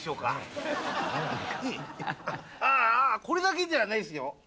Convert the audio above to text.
これだけじゃないすよ